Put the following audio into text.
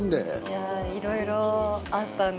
いやいろいろあったんです。